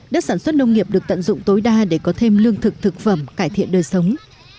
đất sản xuất nông nghiệp được tận dụng tối đa để có thêm lương thực thực phẩm cải thiện đời sống